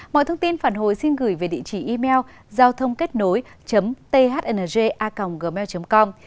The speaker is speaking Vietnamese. mọi thông tin phản hồi xin gửi về địa chỉ email giao thôngkếtnối thng gmail com